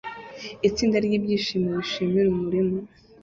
Itsinda ryibyishimo bishimira umurima